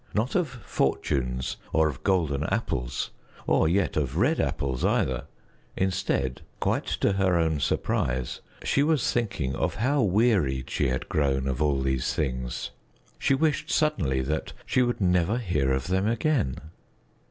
Not of fortunes or of golden apples, or yet of red apples either; instead, quite to her own surprise, she was thinking of how wearied she had grown of all these things. She wished suddenly that she would never hear of them again.